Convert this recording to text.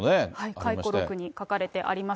回顧録に書かれてあります。